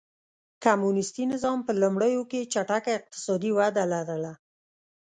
کمونېستي نظام په لومړیو کې چټکه اقتصادي وده لرله.